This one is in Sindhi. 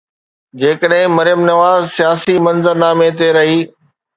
جيڪڏهن مريم نواز سياسي منظرنامي تي رهي.